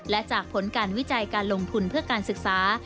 และจากผลการวิจัยการลงทุนเพื่อการศึกษา